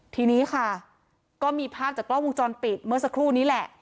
ทีนี้ค่ะก็มีภาพจากกล้องวงจรปิดเมื่อสักครู่นี้แหละ